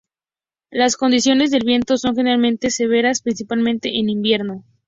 Las condiciones del viento son generalmente severas, principalmente en invierno.